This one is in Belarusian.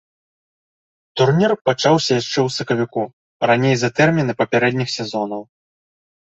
Турнір пачаўся яшчэ ў сакавіку, раней за тэрміны папярэдніх сезонаў.